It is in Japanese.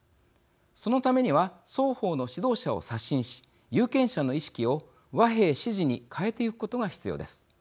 そのためには双方の指導者を刷新し有権者の意識を和平支持に変えてゆくことが必要です。